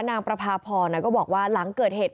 นางประพาพรก็บอกว่าหลังเกิดเหตุ